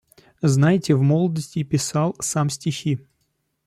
Знаете, в молодости и писал сам стихи.